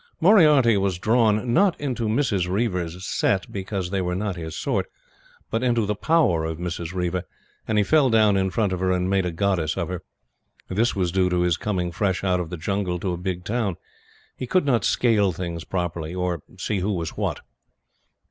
Moriarty was drawn, not into Mrs. Reiver's set, because they were not his sort, but into the power of Mrs. Reiver, and he fell down in front of her and made a goddess of her. This was due to his coming fresh out of the jungle to a big town. He could not scale things properly or see who was what.